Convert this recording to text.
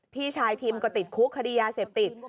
พี่ชายทิมก็ติดคุกคดียาเสพติด